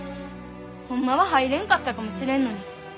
ホンマは入れんかったかもしれんのに。